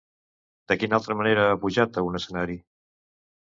De quina altra manera ha pujat a un escenari?